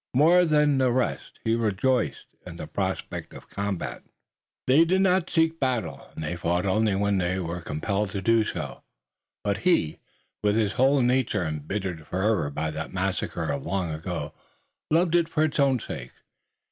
More than the rest he rejoiced in the prospect of combat. They did not seek battle and they fought only when they were compelled to do so, but he, with his whole nature embittered forever by that massacre of long ago, loved it for its own sake.